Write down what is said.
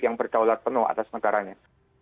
yang berdaulat penuh atas negaranya